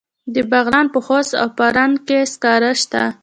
د بغلان په خوست او فرنګ کې سکاره شته.